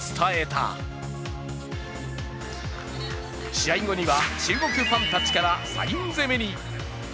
試合後には中国ファンたちからサイン攻めに。